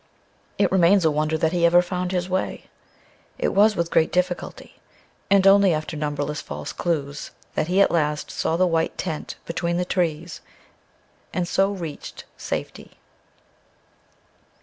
It remains a wonder that he ever found his way. It was with great difficulty, and only after numberless false clues, that he at last saw the white tent between the trees, and so reached safety.